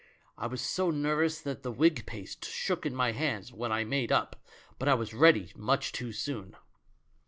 I was so nervous that the wig paste shook in my hands when I made up, but I was ready much too soon.